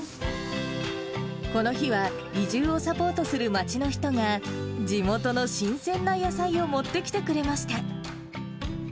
この日は、移住をサポートする町の人が、地元の新鮮な野菜を持ってきてくれました。